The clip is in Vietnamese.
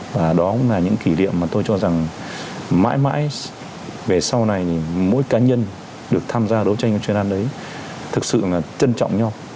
và đó cũng là những kỷ niệm mà tôi cho rằng mãi mãi về sau này mỗi cá nhân được tham gia đấu tranh trên đất đấy thật sự là trân trọng nhau